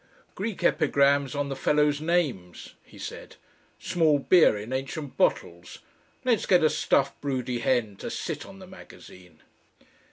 "Greek epigrams on the fellows' names," he said. "Small beer in ancient bottles. Let's get a stuffed broody hen to SIT on the magazine."